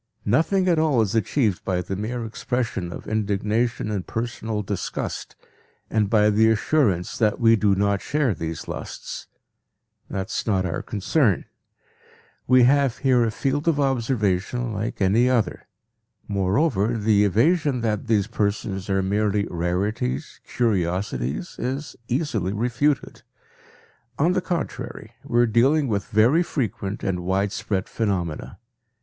Nothing at all is achieved by the mere expression of indignation and personal disgust and by the assurance that we do not share these lusts. That is not our concern. We have here a field of observation like any other. Moreover, the evasion that these persons are merely rarities, curiosities, is easily refuted. On the contrary, we are dealing with very frequent and widespread phenomena.